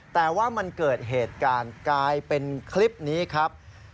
แต่ว่ามันเกิดเหตุการณ์กลายเป็นคลิปนี้ครับ